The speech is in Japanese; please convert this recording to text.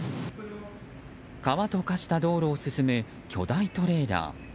川と化した道路を進む巨大トレーラー。